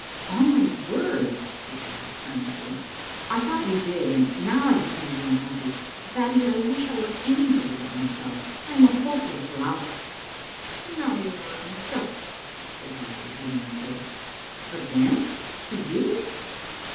"On my word," he said, earnestly, " I thought you did. And now I have made you unhappy. Babbie, I wish I were an3'body but my self ; I am a hopeless lout." " Now you are unjust," said Babbie, hiding her face. "Again? To you?"